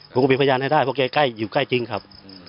ผมก็มีพยานให้ได้เพราะแกใกล้อยู่ใกล้จริงครับ